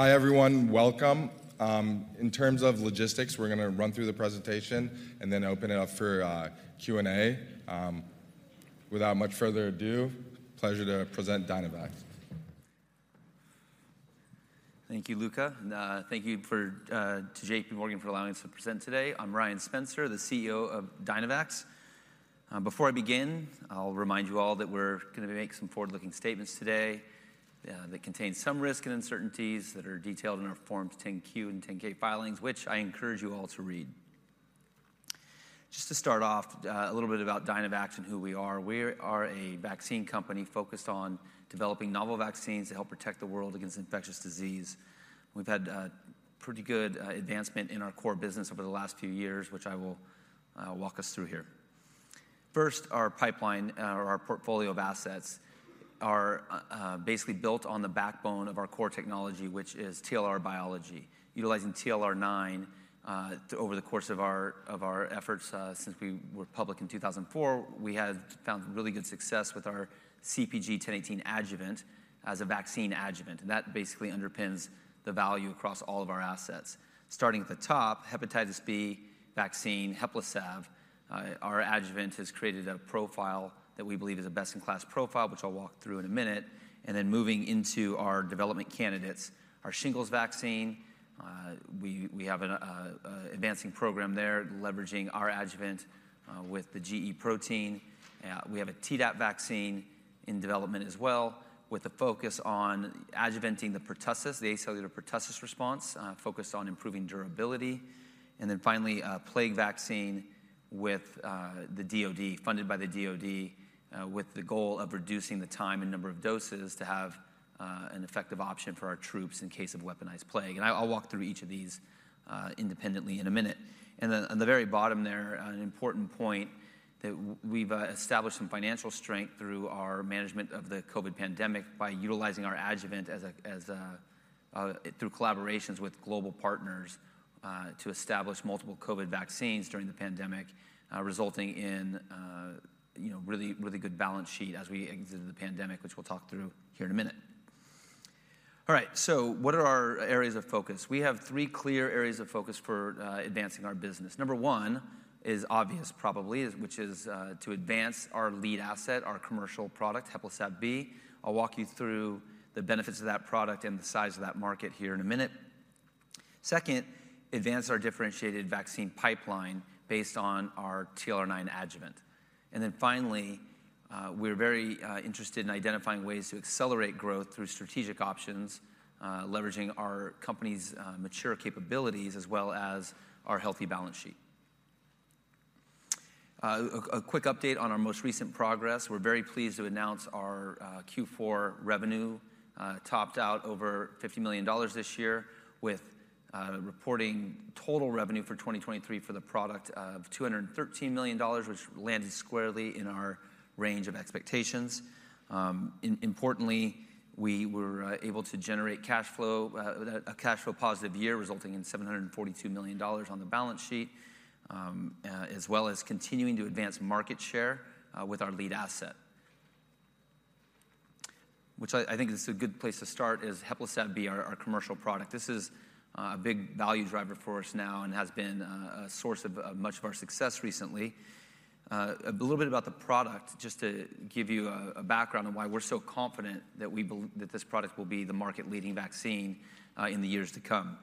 Hi, everyone. Welcome. In terms of logistics, we're gonna run through the presentation and then open it up for Q&A. Without much further ado, pleasure to present Dynavax. Thank you, Luca, and thank you to J.P. Morgan for allowing us to present today. I'm Ryan Spencer, the CEO of Dynavax. Before I begin, I'll remind you all that we're gonna make some forward-looking statements today, that contain some risk and uncertainties that are detailed in our Forms 10-Q and 10-K filings, which I encourage you all to read. Just to start off, a little bit about Dynavax and who we are. We are a vaccine company focused on developing novel vaccines to help protect the world against infectious disease. We've had pretty good advancement in our core business over the last few years, which I will walk us through here. First, our pipeline or our portfolio of assets are basically built on the backbone of our core technology, which is TLR biology, utilizing TLR9. Over the course of our efforts, since we were public in 2004, we have found really good success with our CpG 1018 adjuvant as a vaccine adjuvant, and that basically underpins the value across all of our assets. Starting at the top, hepatitis B vaccine, HEPLISAV-B. Our adjuvant has created a profile that we believe is a best-in-class profile, which I'll walk through in a minute. And then moving into our development candidates, our shingles vaccine, we have an advancing program there, leveraging our adjuvant with the gE protein. We have a Tdap vaccine in development as well, with a focus on adjuvanting the pertussis, the acellular pertussis response, focused on improving durability. And then finally, a plague vaccine with the DoD funded by the DoD with the goal of reducing the time and number of doses to have an effective option for our troops in case of weaponized plague. I'll walk through each of these independently in a minute. Then on the very bottom there, an important point, that we've established some financial strength through our management of the COVID pandemic by utilizing our adjuvant as a through collaborations with global partners to establish multiple COVID vaccines during the pandemic resulting in you know really really good balance sheet as we exited the pandemic, which we'll talk through here in a minute. All right, so what are our areas of focus? We have three clear areas of focus for advancing our business. Number one is obvious, probably, which is to advance our lead asset, our commercial product, HEPLISAV-B. I'll walk you through the benefits of that product and the size of that market here in a minute. Second, advance our differentiated vaccine pipeline based on our TLR9 adjuvant. And then finally, we're very interested in identifying ways to accelerate growth through strategic options, leveraging our company's mature capabilities as well as our healthy balance sheet. A quick update on our most recent progress. We're very pleased to announce our Q4 revenue topped out over $50 million this year, with reporting total revenue for 2023 for the product of $213 million, which landed squarely in our range of expectations. Importantly, we were able to generate cash flow, a cash flow positive year, resulting in $742 million on the balance sheet, as well as continuing to advance market share with our lead asset. Which I think is a good place to start, is HEPLISAV-B, our commercial product. This is a big value driver for us now and has been a source of much of our success recently. A little bit about the product, just to give you a background on why we're so confident that this product will be the market-leading vaccine in the years to come.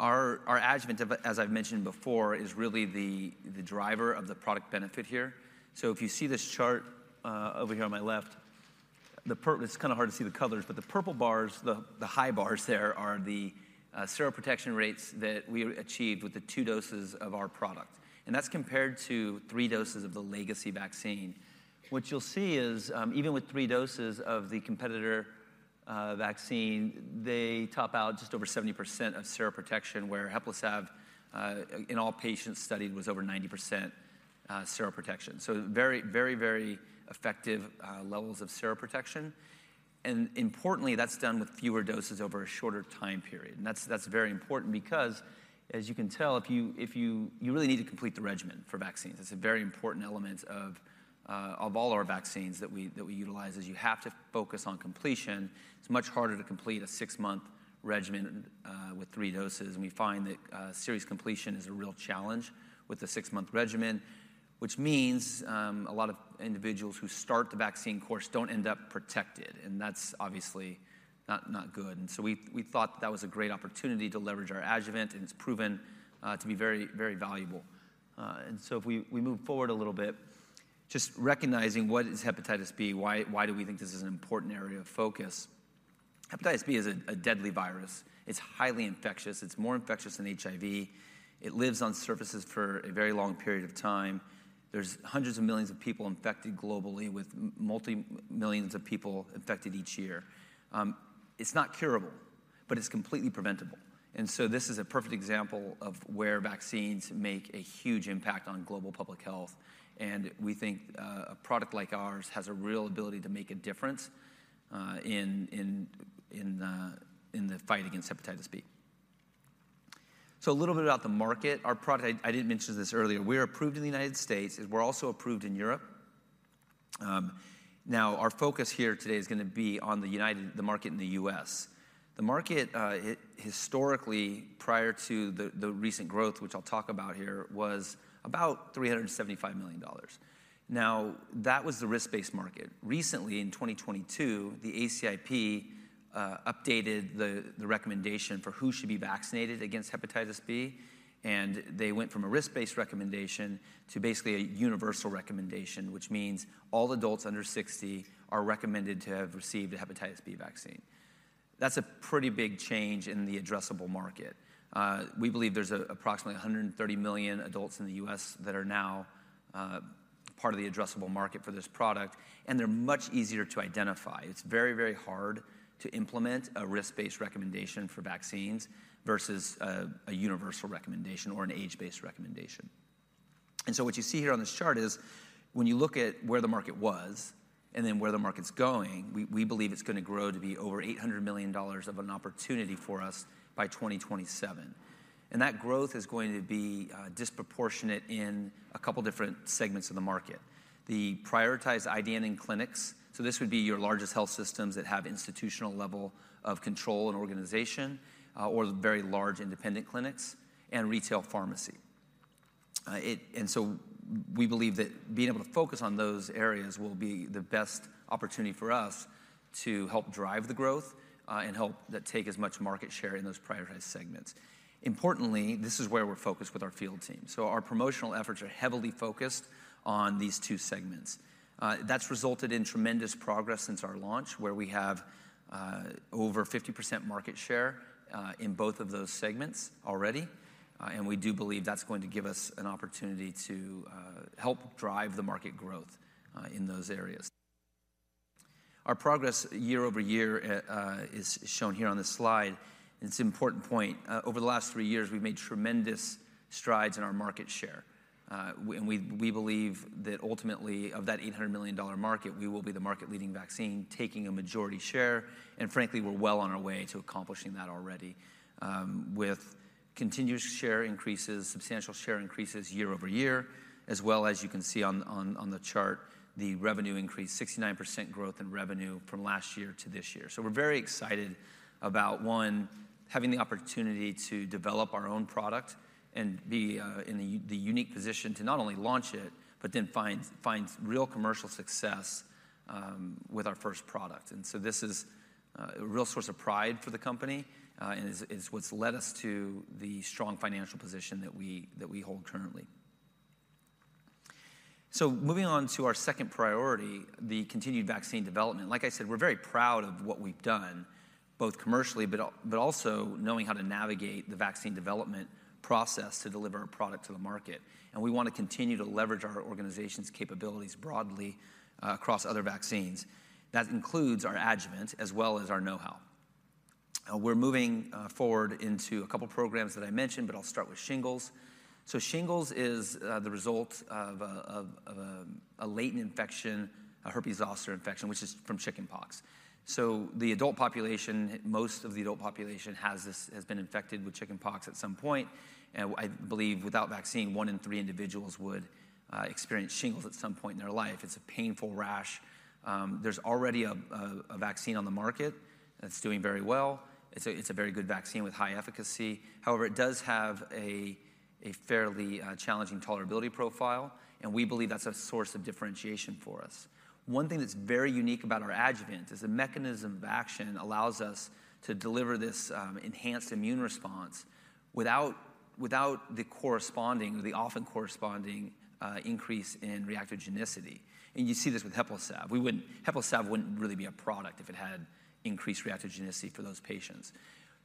Our adjuvant, as I've mentioned before, is really the driver of the product benefit here. So if you see this chart over here on my left, the pur... It's kind of hard to see the colors, but the purple bars, the high bars there are the seroprotection rates that we achieved with the two doses of our product, and that's compared to three doses of the legacy vaccine. What you'll see is, even with three doses of the competitor vaccine, they top out just over 70% of seroprotection, where HEPLISAV-B, in all patients studied, was over 90% seroprotection. So very, very, very effective levels of seroprotection. And importantly, that's done with fewer doses over a shorter time period. And that's very important because, as you can tell, if you really need to complete the regimen for vaccines. It's a very important element of all our vaccines that we utilize, is you have to focus on completion. It's much harder to complete a six-month regimen with three doses, and we find that series completion is a real challenge with a six-month regimen, which means a lot of individuals who start the vaccine course don't end up protected, and that's obviously not good. So we thought that was a great opportunity to leverage our adjuvant, and it's proven to be very, very valuable. So if we move forward a little bit, just recognizing what is hepatitis B, why do we think this is an important area of focus? Hepatitis B is a deadly virus. It's highly infectious. It's more infectious than HIV. It lives on surfaces for a very long period of time. There's hundreds of millions of people infected globally, with millions of people infected each year. It's not curable, but it's completely preventable. And so this is a perfect example of where vaccines make a huge impact on global public health, and we think a product like ours has a real ability to make a difference in the fight against hepatitis B. A little bit about the market. Our product, I didn't mention this earlier, we are approved in the United States, and we're also approved in Europe. Now, our focus here today is gonna be on the market in the U.S. The market, historically, prior to the recent growth, which I'll talk about here, was about $375 million. Now, that was the risk-based market. Recently, in 2022, the ACIP updated the recommendation for who should be vaccinated against hepatitis B, and they went from a risk-based recommendation to basically a universal recommendation, which means all adults under 60 are recommended to have received a hepatitis B vaccine. That's a pretty big change in the addressable market. We believe there's approximately 130 million adults in the U.S. that are now part of the addressable market for this product, and they're much easier to identify. It's very, very hard to implement a risk-based recommendation for vaccines versus a universal recommendation or an age-based recommendation. What you see here on this chart is, when you look at where the market was and then where the market's going, we, we believe it's gonna grow to be over $800 million of an opportunity for us by 2027. And that growth is going to be disproportionate in a couple different segments of the market. The prioritized IDN and clinics, so this would be your largest health systems that have institutional level of control and organization, or very large independent clinics and retail pharmacy. And so we believe that being able to focus on those areas will be the best opportunity for us to help drive the growth, and help that take as much market share in those prioritized segments. Importantly, this is where we're focused with our field team. So our promotional efforts are heavily focused on these two segments. That's resulted in tremendous progress since our launch, where we have over 50% market share in both of those segments already. And we do believe that's going to give us an opportunity to help drive the market growth in those areas. Our progress year-over-year is shown here on this slide, and it's an important point. Over the last three years, we've made tremendous strides in our market share. And we believe that ultimately, of that $800 million market, we will be the market-leading vaccine, taking a majority share, and frankly, we're well on our way to accomplishing that already, with continuous share increases, substantial share increases year over year, as well as you can see on the chart, the revenue increase, 69% growth in revenue from last year to this year. So we're very excited about, one, having the opportunity to develop our own product and be in the unique position to not only launch it, but then find real commercial success with our first product. And so this is a real source of pride for the company, and is what's led us to the strong financial position that we hold currently. So moving on to our second priority, the continued vaccine development. Like I said, we're very proud of what we've done, both commercially, but also knowing how to navigate the vaccine development process to deliver a product to the market, and we want to continue to leverage our organization's capabilities broadly across other vaccines. That includes our adjuvant as well as our know-how. We're moving forward into a couple programs that I mentioned, but I'll start with shingles. So shingles is the result of a latent infection, a herpes zoster infection, which is from chickenpox. So the adult population, most of the adult population, has been infected with chickenpox at some point, and I believe without vaccine, one in three individuals would experience shingles at some point in their life. It's a painful rash. There's already a vaccine on the market that's doing very well. It's a very good vaccine with high efficacy. However, it does have a fairly challenging tolerability profile, and we believe that's a source of differentiation for us. One thing that's very unique about our adjuvant is the mechanism of action allows us to deliver this enhanced immune response without the corresponding, or the often corresponding, increase in reactogenicity. You see this with HEPLISAV. HEPLISAV wouldn't really be a product if it had increased reactogenicity for those patients.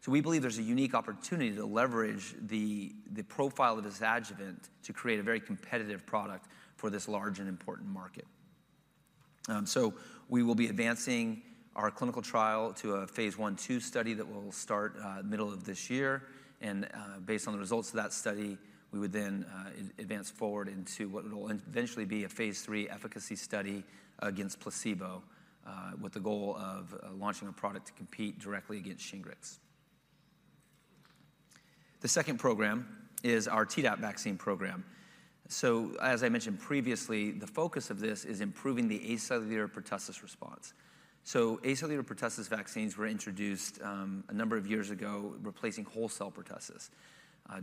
We believe there's a unique opportunity to leverage the profile of this adjuvant to create a very competitive product for this large and important market. So we will be advancing our clinical trial to a phase I/II study that will start middle of this year, and based on the results of that study, we would then advance forward into what will eventually be a phase III efficacy study against placebo, with the goal of launching a product to compete directly against SHINGRIX. The second program is our Tdap vaccine program. So as I mentioned previously, the focus of this is improving the acellular pertussis response. So acellular pertussis vaccines were introduced a number of years ago, replacing whole-cell pertussis,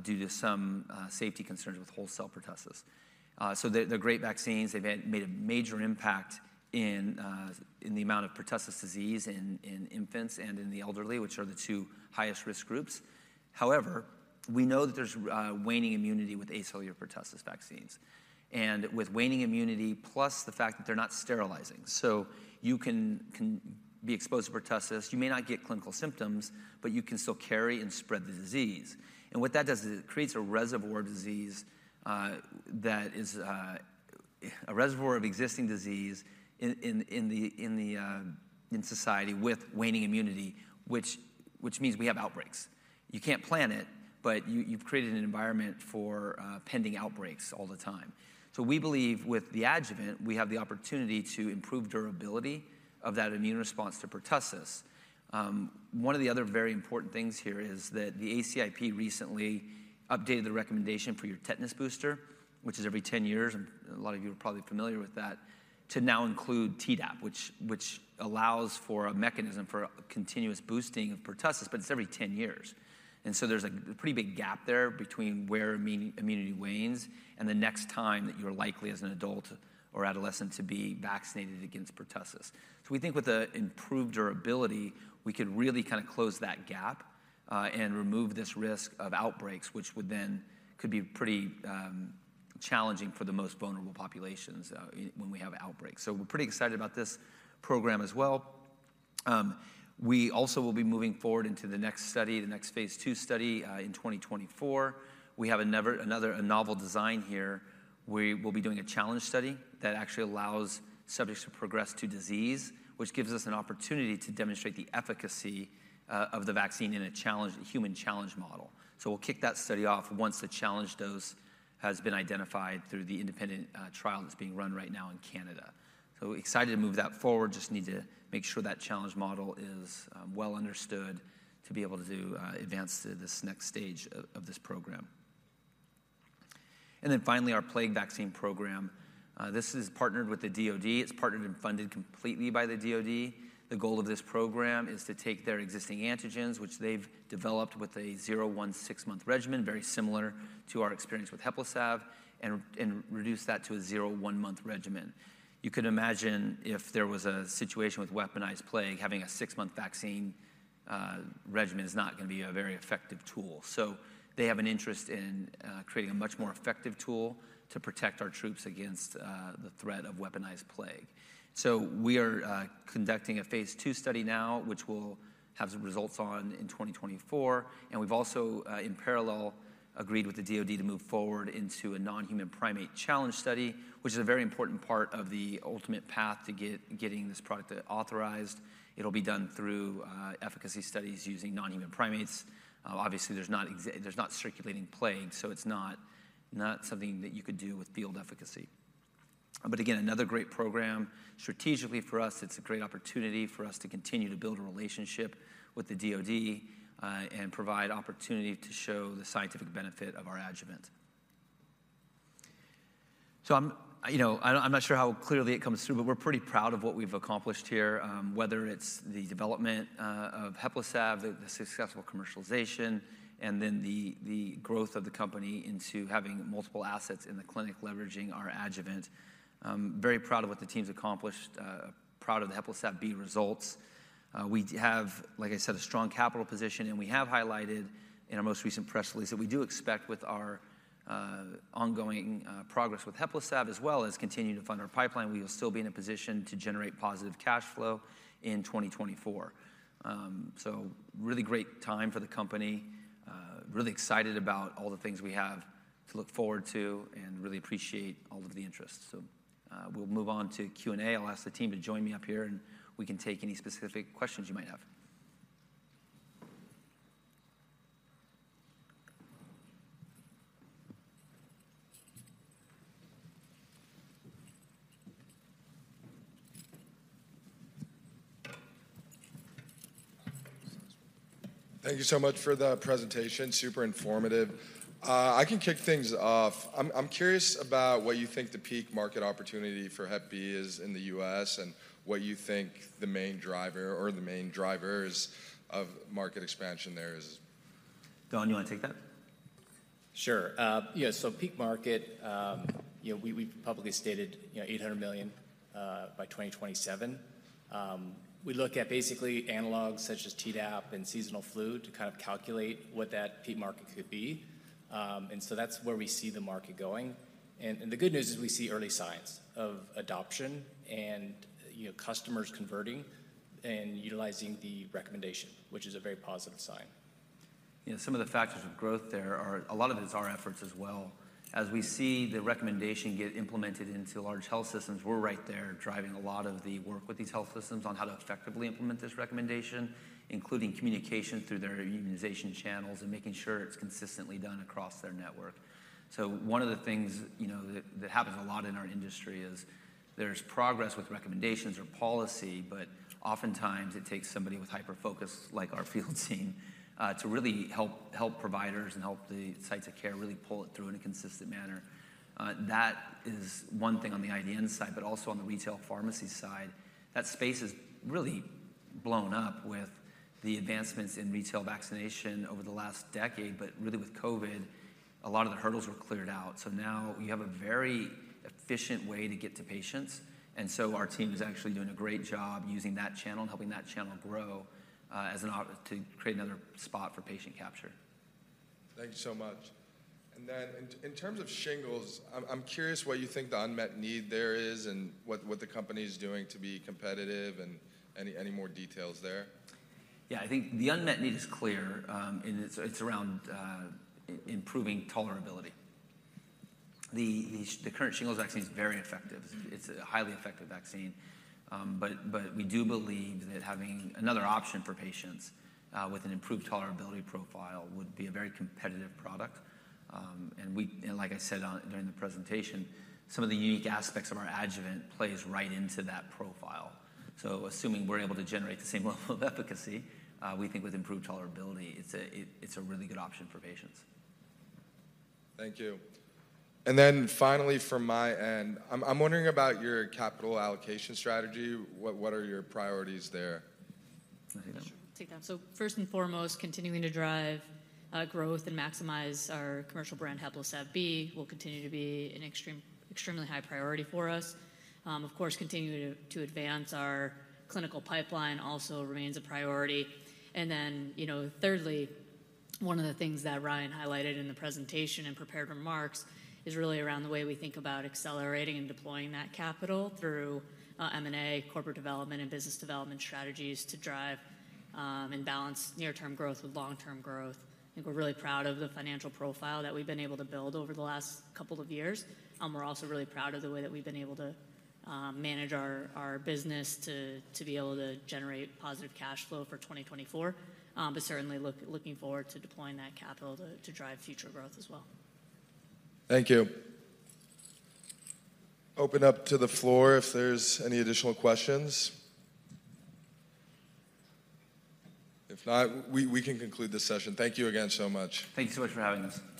due to some safety concerns with whole-cell pertussis. So they're great vaccines. They've had made a major impact in the amount of pertussis disease in infants and in the elderly, which are the two highest risk groups. However, we know that there's waning immunity with acellular pertussis vaccines, and with waning immunity, plus the fact that they're not sterilizing. So you can be exposed to pertussis, you may not get clinical symptoms, but you can still carry and spread the disease. And what that does is it creates a reservoir disease, that is, a reservoir of existing disease in society with waning immunity, which means we have outbreaks. You can't plan it, but you've created an environment for pending outbreaks all the time. So we believe with the adjuvant, we have the opportunity to improve durability of that immune response to pertussis. One of the other very important things here is that the ACIP recently updated the recommendation for your tetanus booster, which is every 10 years, and a lot of you are probably familiar with that, to now include Tdap, which allows for a mechanism for a continuous boosting of pertussis, but it's every 10 years. And so there's a pretty big gap there between where immunity wanes and the next time that you're likely, as an adult or adolescent, to be vaccinated against pertussis. So we think with an improved durability, we could really kind of close that gap, and remove this risk of outbreaks, which would then could be pretty challenging for the most vulnerable populations when we have outbreaks. So we're pretty excited about this program as well. We also will be moving forward into the next study, the next phase II study, in 2024. We have another, a novel design here, where we'll be doing a challenge study that actually allows subjects to progress to disease, which gives us an opportunity to demonstrate the efficacy of the vaccine in a human challenge model. So we'll kick that study off once the challenge dose has been identified through the independent trial that's being run right now in Canada. So excited to move that forward, just need to make sure that challenge model is well understood to be able to advance to this next stage of this program. And then finally, our plague vaccine program. This is partnered with the DoD. It's partnered and funded completely by the DoD. The goal of this program is to take their existing antigens, which they've developed with a 0, 1, 6-month regimen, very similar to our experience with HEPLISAV, and reduce that to a 0, 1-month regimen. You could imagine if there was a situation with weaponized plague, having a 6-month vaccine regimen is not going to be a very effective tool. So they have an interest in creating a much more effective tool to protect our troops against the threat of weaponized plague. So we are conducting a Phase 2 study now, which we'll have some results on in 2024, and we've also, in parallel, agreed with the DoD to move forward into a non-human primate challenge study, which is a very important part of the ultimate path to getting this product authorized. It'll be done through efficacy studies using non-human primates. Obviously, there's not circulating plague, so it's not something that you could do with field efficacy. But again, another great program. Strategically, for us, it's a great opportunity for us to continue to build a relationship with the DoD, and provide opportunity to show the scientific benefit of our adjuvant. So, you know, I'm not sure how clearly it comes through, but we're pretty proud of what we've accomplished here, whether it's the development of HEPLISAV-B, the successful commercialization, and then the growth of the company into having multiple assets in the clinic, leveraging our adjuvant. I'm very proud of what the team's accomplished, proud of the HEPLISAV-B results. We have, like I said, a strong capital position, and we have highlighted in our most recent press release that we do expect with our ongoing progress with HEPLISAV-B, as well as continuing to fund our pipeline, we will still be in a position to generate positive cash flow in 2024. So really great time for the company. Really excited about all the things we have to look forward to and really appreciate all of the interest. So, we'll move on to Q&A. I'll ask the team to join me up here, and we can take any specific questions you might have. Thank you so much for the presentation. Super informative. I can kick things off. I'm curious about what you think the peak market opportunity for Hep B is in the U.S. and what you think the main driver or the main drivers of market expansion there is. Donn, you want to take that? Sure. Yeah, so peak market, you know, we, we've publicly stated, you know, $800 million by 2027. We look at basically analogs such as Tdap and seasonal flu to kind of calculate what that peak market could be. And so that's where we see the market going. And, and the good news is we see early signs of adoption and, you know, customers converting and utilizing the recommendation, which is a very positive sign. You know, some of the factors of growth there are... A lot of it is our efforts as well. As we see the recommendation get implemented into large health systems, we're right there driving a lot of the work with these health systems on how to effectively implement this recommendation, including communication through their immunization channels and making sure it's consistently done across their network. So one of the things, you know, that happens a lot in our industry is there's progress with recommendations or policy, but oftentimes it takes somebody with hyperfocus, like our field team, to really help providers and help the sites of care really pull it through in a consistent manner. That is one thing on the IDN side, but also on the retail pharmacy side. That space has really blown up with the advancements in retail vaccination over the last decade, but really with COVID, a lot of the hurdles were cleared out. So now we have a very efficient way to get to patients, and so our team is actually doing a great job using that channel and helping that channel grow as an opportunity to create another spot for patient capture. Thank you so much. Then in terms of shingles, I'm curious what you think the unmet need there is and what the company is doing to be competitive, and any more details there? Yeah, I think the unmet need is clear, and it's around improving tolerability. The current shingles vaccine is very effective. It's a highly effective vaccine, but we do believe that having another option for patients with an improved tolerability profile would be a very competitive product. And like I said during the presentation, some of the unique aspects of our adjuvant plays right into that profile. So assuming we're able to generate the same level of efficacy, we think with improved tolerability, it's a really good option for patients. Thank you. And then finally, from my end, I'm wondering about your capital allocation strategy. What are your priorities there? Kelly. Sure, take that. So first and foremost, continuing to drive growth and maximize our commercial brand, HEPLISAV-B, will continue to be an extremely high priority for us. Of course, continuing to advance our clinical pipeline also remains a priority. And then, you know, thirdly, one of the things that Ryan highlighted in the presentation and prepared remarks is really around the way we think about accelerating and deploying that capital through M&A, corporate development, and business development strategies to drive and balance near-term growth with long-term growth. I think we're really proud of the financial profile that we've been able to build over the last couple of years. We're also really proud of the way that we've been able to manage our business to be able to generate positive cash flow for 2024. But certainly looking forward to deploying that capital to drive future growth as well. Thank you. Open up to the floor if there's any additional questions. If not, we can conclude this session. Thank you again so much. Thank you so much for having us.